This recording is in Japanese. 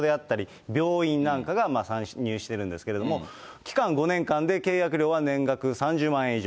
このように地元の教習場であったり、病院なんかが参入しているんですけれども、期間、５年間で契約料は年額３０万円以上。